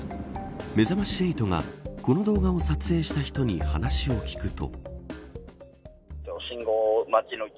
めざまし８がこの動画を撮影した人に話を聞くと。